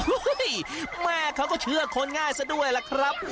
แม่เขาก็เชื่อคนง่ายซะด้วยล่ะครับ